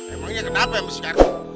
emangnya kenapa sama si kardun